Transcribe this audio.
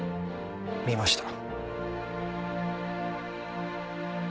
見ました。